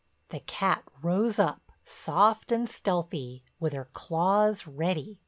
The cat rose up, soft and stealthy, with her claws ready.